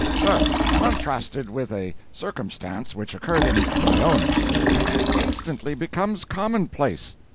Sir, contrasted with a circumstance which occurred in my own experience, it instantly becomes commonplace.